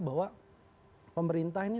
bahwa pemerintah ini